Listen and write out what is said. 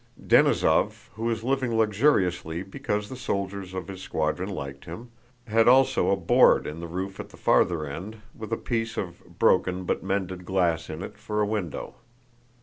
Denísov, who was living luxuriously because the soldiers of his squadron liked him, had also a board in the roof at the farther end, with a piece of (broken but mended) glass in it for a window.